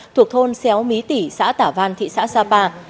thuộc thôn xéo mý tỉ xã tả văn thị xã sapa